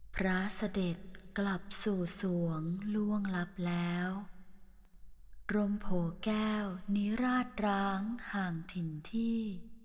พระเสด็จกลับสู่สวงล่วงลับแล้วกรมโผแก้วนิราชร้างห่างถิ่นที่